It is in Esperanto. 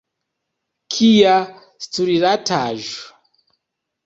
Kia stultaĵo!